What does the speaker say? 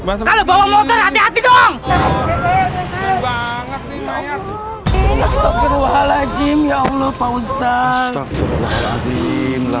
hai woi kalau bawa motor hati hati dong banget nih bayar astaghfirullahaladzim ya allah